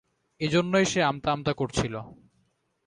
এজন্যই সে আমতা আমতা করছিল!